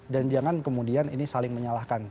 dan jangan kemudian ini saling menyalahkan